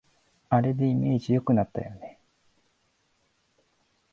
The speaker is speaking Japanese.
あれでイメージ良くなったよね